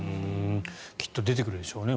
また出てくるでしょうね。